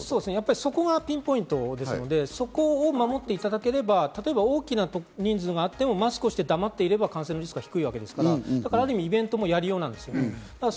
そこがピンポイントですので、そこを守っていただければ大きな人数があってもマスクをして黙っていれば感染リスクは低いので、ある意味イベントもやりようです。